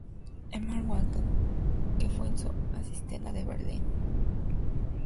Hermann Wankel, que fue su asistente en Berlín.